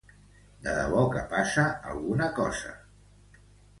De debò que passa alguna cosa.